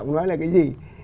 nói là cái gì